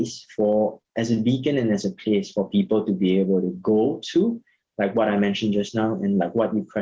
sebagai tempat untuk sebagai petunjuk dan sebagai tempat untuk orang orang bisa pergi ke